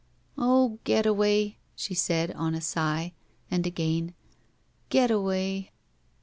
"Oh, Getaway!" she said, on a sigh, and again, "Getaway!"